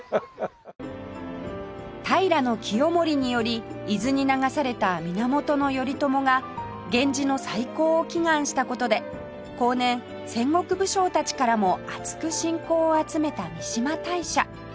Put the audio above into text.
平清盛により伊豆に流された源頼朝が源氏の再興を祈願した事で後年戦国武将たちからもあつく信仰を集めた三嶋大社